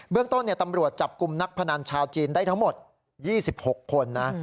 เรื่องต้นตำรวจจับกลุ่มนักพนันชาวจีนได้ทั้งหมด๒๖คนนะ